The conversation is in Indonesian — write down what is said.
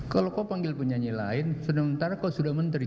kalau kau panggil penyanyi lain sementara kau sudah menteri